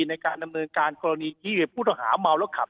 ในการดำเนินการกรณีที่ผู้ต้องหาเมาแล้วขับ